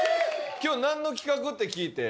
今日なんの企画って聞いて？